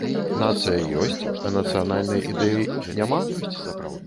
Нацыя ёсць, а нацыянальнай ідэі няма?